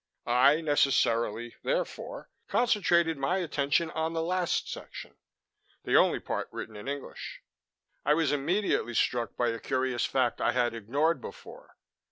"I necessarily, therefore, concentrated my attention on the last section the only part written in English. I was immediately struck by a curious fact I had ignored before.